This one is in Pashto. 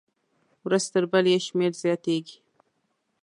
ورځ تر بلې یې شمېر زیاتېږي.